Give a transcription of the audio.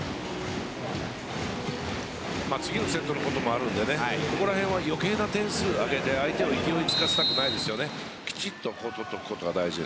次のセットのこともあるのでここらへんは余計な点数を挙げて相手を勢いづかせたくないですよね。